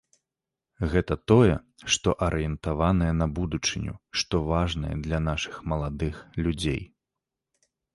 Гэта тое, што арыентаванае на будучыню, што важнае для нашых маладых людзей.